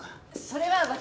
それは私